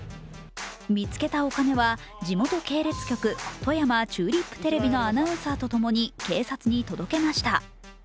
見つけたお金は地元系列局富山チューリップテレビのアナウンサーとともに警察に届けました。